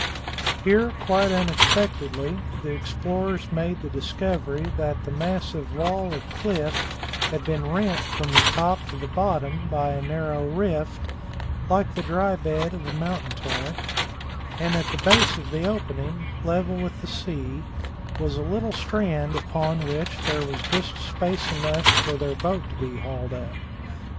Here, quite unexpectedly, the explorers made the discovery that the massive wall of cliff had been rent from the top to the bottom by a narrow rift, like the dry bed of a mountain torrent, and at the base of the opening, level with the sea, was a little strand upon which there was just space enough for their boat to be hauled up.